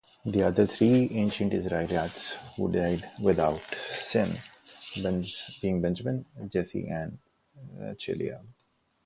The other three ancient Israelites who died without sin, being Benjamin, Jesse and Chileab.